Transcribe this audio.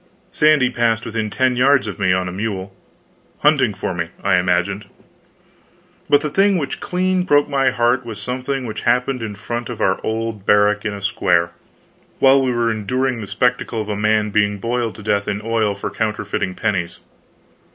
Sandy passed within ten yards of me on a mule hunting for me, I imagined. But the thing which clean broke my heart was something which happened in front of our old barrack in a square, while we were enduring the spectacle of a man being boiled to death in oil for counterfeiting pennies.